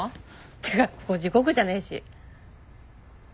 てかここ地獄じゃねえし。